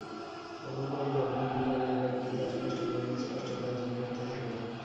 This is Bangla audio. এমন করেই ভাবভঙ্গি ক্রমে আকার-ইঙ্গিতে, অস্পষ্ট ক্রমে স্পষ্টতায় জমে উঠতে থাকে।